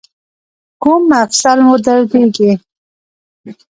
کوم مفصل مو دردیږي؟